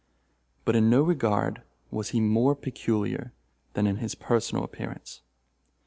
But in no regard was he more peculiar than in his personal appearance.